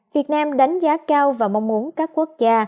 việt nam đánh giá cao và mong muốn các quốc gia